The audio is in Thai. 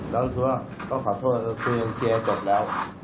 แล้วถือว่าเขาขอโทษแต่ว่าคุณยังเจอจบแล้ว